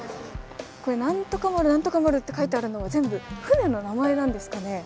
これ何とか丸何とか丸って書いてあるのは全部船の名前なんですかね？